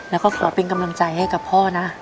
แล้วก็ขอเป็นกำลังใจให้กับพ่อนะ